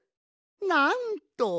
なんと！